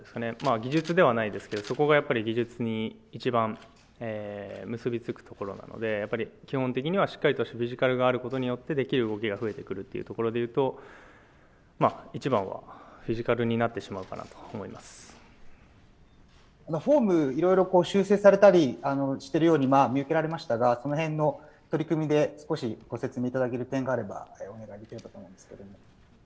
技術ではないですけど、そこが技術に、いちばん結び付くところなので、やっぱり基本的にはしっかりとしたフィジカルがあることにある動きがあることで言うと、一番はフィジカルになってしまうかなと思フォームいろいろ修正されたりしてるように見受けられましたが、その辺の取り組みで少しご説明いただける点があればお願いできればと思うんですけれども。